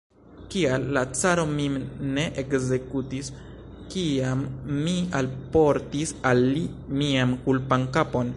Kial la caro min ne ekzekutis, kiam mi alportis al li mian kulpan kapon?